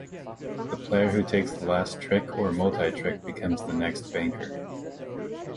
The player who takes the last trick or multi-trick becomes the next banker.